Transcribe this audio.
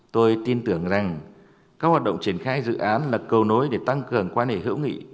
tôi tin tưởng rằng các hoạt động triển khai dự án là cầu nối để tăng cường quan hệ hữu nghị